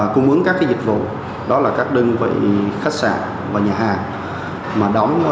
cung ứng các cái dịch vụ đó là các đơn vị khách sạn và nhà hàng